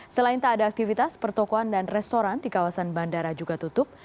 selain tak ada aktivitas pertokohan dan restoran di kawasan bandara juga tutup